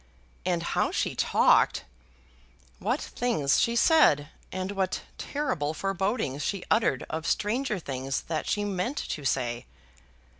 And how she talked! What things she said, and what terrible forebodings she uttered of stranger things that she meant to say!